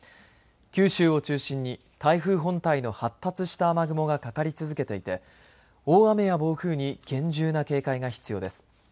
九州を中心に台風本体の発達した雨雲がかかり続けていて大雨や暴風に厳重な警戒が必要です。